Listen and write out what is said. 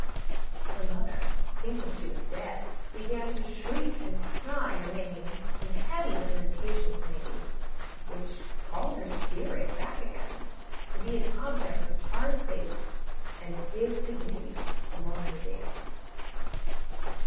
Her mother, thinking she was dead, Began to shriek and cry amain; And heavy lamentations made, Which called her spirit back again; To be an object of hard fate, And give to grief a longer date.